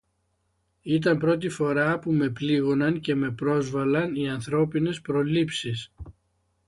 Ήταν πρώτη φορά που με πλήγωναν και με πρόσβαλλαν οι ανθρώπινες προλήψεις.